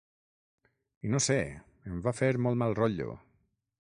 I no sé, em va fer molt mal rotllo.